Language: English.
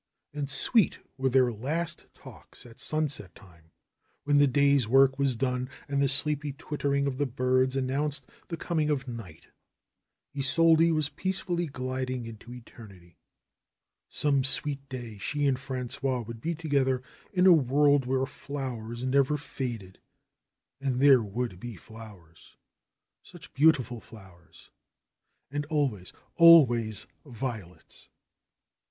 And sweet were their last talks at sunset time, when the day's work was done and the sleepy twittering of the birds announced the coming of night. Isolde was peacefully gliding into eternity. Some sweet day she and Frangois would be together in a world where flowers never faded. And there would be flowers! Such beautiful flowers! And always, always violets